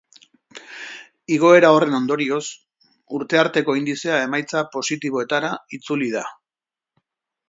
Igoera horren ondorioz, urte arteko indizea emaitza positiboetara itzuli da.